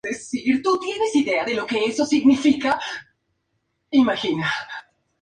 Se le debe una "Crónica" de su provincia, "Sermones" y "Oraciones fúnebres".